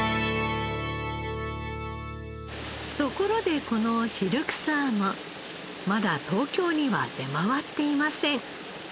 ところでこのシルクサーモンまだ東京には出回っていません。